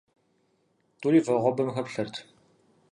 Тӏури вагъуэбэм хэплъэрт.